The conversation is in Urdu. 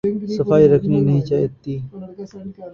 صفائی رکھی نہیں جاتی۔